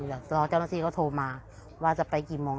รอเจ้าหน้าที่เขาโทรมาว่าจะไปกี่โมง